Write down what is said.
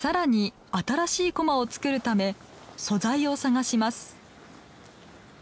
さらに新しいこまを作るため素材を探します。